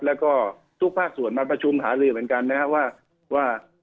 แล้วก็ทุกภาคส่วนมาประชุมหาลือเหมือนกันนะครับว่า